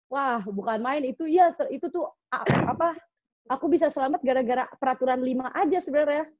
wah bukan main itu ya itu tuh apa aku bisa selamat gara gara peraturan lima aja sebenarnya